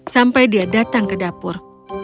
sampai dia datang ke dapur